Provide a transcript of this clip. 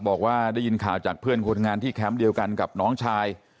บอกว่าได้ยินข่าวจากเพื่อนคนงานที่แคมป์เดียวกันกับน้องชาย